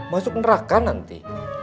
masuk neraka nanti